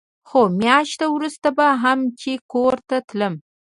خو مياشت وروسته به هم چې کور ته تلم.